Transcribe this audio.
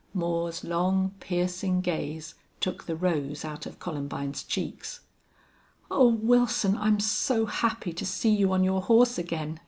Moore's long, piercing gaze took the rose out of Columbine's cheeks. "Oh, Wilson! I'm so happy to see you on your horse again!"